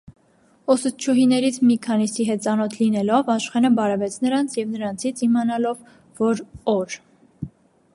Ուսուցչուհիներից մի քանիսի հետ ծանոթ լինելով, Աշխենը բարևեց նրանց և նրանցից իմանալով, որ օր.